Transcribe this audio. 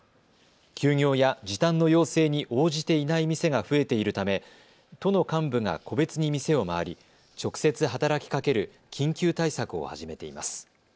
休業や時短の要請に応じていない店が増えているため都の幹部が個別に店を回り直接働きかける緊急対策を始めています。